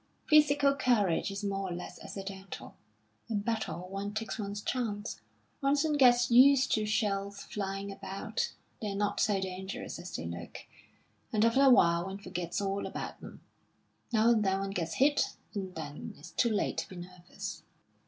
Physical courage is more or less accidental. In battle one takes one's chance. One soon gets used to shells flying about; they're not so dangerous as they look, and after a while one forgets all about them. Now and then one gets hit, and then it's too late to be nervous."